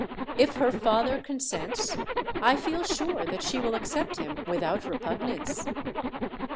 If her father consents I feel sure that she will accept him without repugnance."